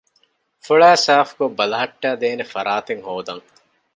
ފޮޅައި ސާފުކޮށް ބަލަހައްޓައިދޭނެ ފަރާތެއް ހޯދަން